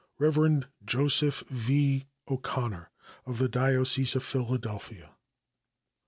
Rev. Joseph V. O'Connor, of the diocese of Philadelphia.